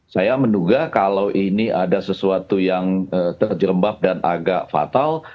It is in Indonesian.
saya menduga kalau ini ada sesuatu yang terjerembab dan agak fatal